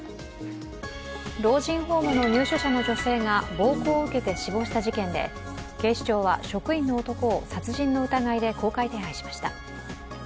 老人ホームの入所者の女性が暴行を受けて死亡した事件で警視庁は職員の男を殺人の疑いで公開手配しました。